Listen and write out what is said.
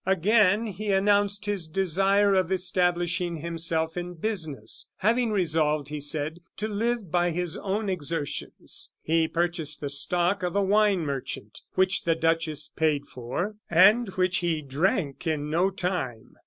Again he announced his desire of establishing himself in business, having resolved, he said, to live by his own exertions. He purchased the stock of a wine merchant, which the duchess paid for, and which he drank in no time.